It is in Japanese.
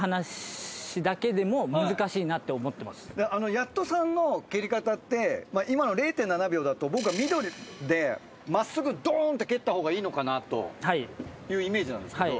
ヤットさんの蹴り方って今の０．７秒だと僕はミドルで真っすぐドンって蹴った方がいいのかなというイメージなんですけど。